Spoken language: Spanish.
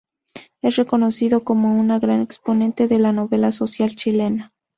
Es reconocido como un gran exponente de la novela social chilena.